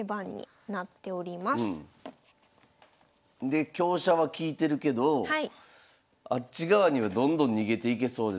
で香車は利いてるけどあっち側にはどんどん逃げていけそうですが。